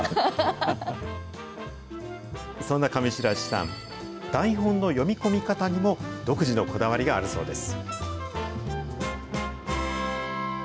そんな上白石さん、台本の読み込み方にも独自のこだわりがあるそうです。